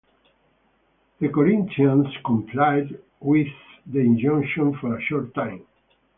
The Corinthians complied with the injunction for a short time.